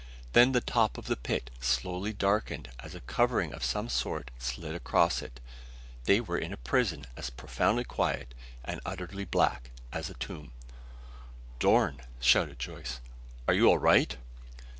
Then the top of the pit slowly darkened as a covering of some sort slid across it. They were in a prison as profoundly quiet and utterly black as a tomb. "Dorn," shouted Joyce. "Are you all right?"